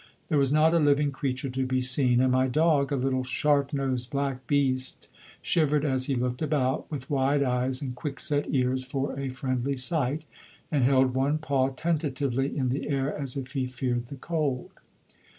There was not a living creature to be seen, and my dog, a little sharp nosed black beast, shivered as he looked about, with wide eyes and quick set ears, for a friendly sight, and held one paw tentatively in the air, as if he feared the cold.